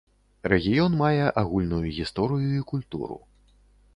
Рэгіён мае агульную гісторыю і культуру.